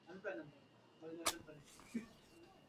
অবিশ্রাম পাতা পচিয়া পচিয়া তাহার জল একেবারে সবুজ হইয়া উঠিয়াছে।